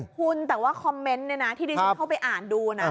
คุณแต่ว่าคอมเมนต์เนี่ยนะที่ดิฉันเข้าไปอ่านดูนะ